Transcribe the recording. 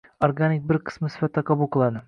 organik bir qismi sifatida qabul qiladi.